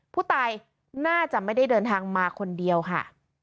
ผู้ตายน่าจะไม่ได้เดินทางมาคนเดียวค่ะ